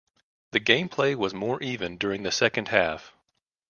The game play was more even during the second half.